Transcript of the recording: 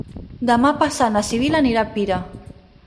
Demà passat na Sibil·la anirà a Pira.